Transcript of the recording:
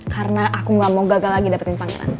karena aku gak mau gagal lagi dapetin pangeran